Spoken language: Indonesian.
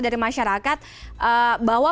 dari masyarakat bahwa